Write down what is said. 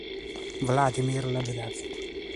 Vladimir Lebedev